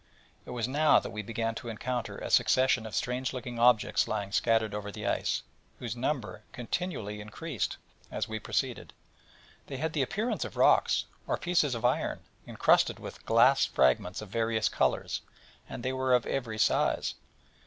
It was now that we began to encounter a succession of strange looking objects lying scattered over the ice, whose number continually increased as we proceeded. They had the appearance of rocks, or pieces of iron, incrusted with glass fragments of various colours, and they were of every size.